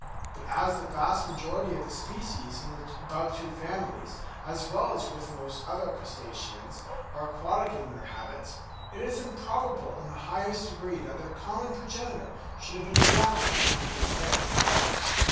But as the vast majority of the species in the above two families, as well as most other crustaceans, are aquatic in their habits, it is improbable in the highest degree that their common progenitor should have been adapted for breathing air.